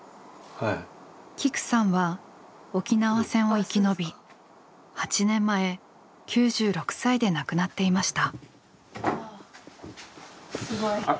きくさんは沖縄戦を生き延び８年前９６歳で亡くなっていました。